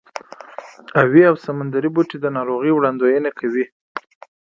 اوې او سمندري بوټي د ناروغۍ وړاندوینه کوي.